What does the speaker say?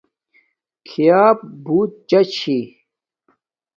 کھیاپ بوت چاہ چھی